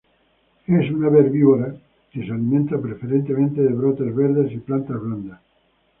Es un ave herbívora, que se alimenta preferentemente de brotes verdes y plantas blandas.